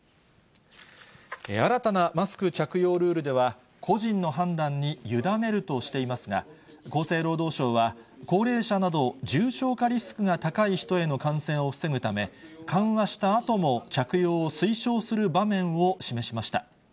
新たなマスク着用ルールでは、個人の判断に委ねるとしていますが、厚生労働省は、高齢者など、重症化リスクが高い人への感染を防ぐため、緩和したあとも着用を推奨する場面を示しました。